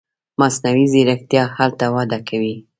مصنوعي ځیرکتیا هلته وده کوي.